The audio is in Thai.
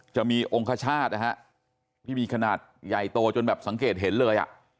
จะมีองคชาตินะฮะที่มีขนาดใหญ่โตจนแบบสังเกตเห็นเลยอ่ะ